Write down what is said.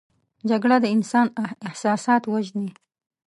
جګړه د انسان احساسات وژني